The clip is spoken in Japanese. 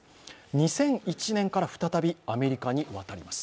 ２００１年から再びアメリカに渡ります。